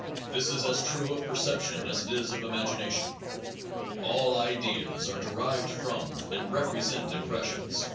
This is as true of perception as it is of imagina tion. All ideas are derived from and represent impressions.